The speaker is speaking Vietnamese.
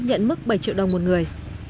nhận mức bảy triệu đồng một người